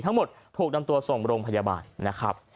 ทั้งหมดถูกนำตัวส่งโรงพยาบาลนะครับ